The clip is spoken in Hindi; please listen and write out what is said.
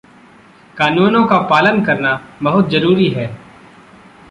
क़ानूनों का पालन करना बहुत ज़रूरी है।